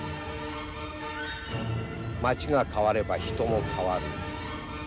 街が変われば人も変わる。